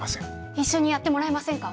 一緒にやってもらえませんか？